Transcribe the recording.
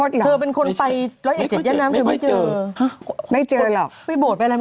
แกเป็นคนไม่เจอผี